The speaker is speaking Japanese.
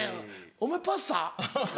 お前パスタ？